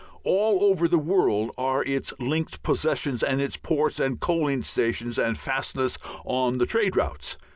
All over the world are its linked possessions and its ports and coaling stations and fastnesses on the trade routes.